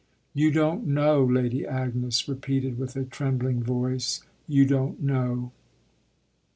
"You don't know," Lady Agnes repeated with a trembling voice, "you don't know."